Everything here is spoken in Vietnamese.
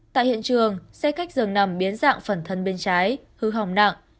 tại hiện trường xe khách dường nằm biến dạng phần thân bên trái hư hỏng nặng